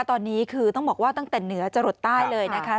ตอนนี้คือต้องบอกว่าตั้งแต่เหนือจะหลดใต้เลยนะคะ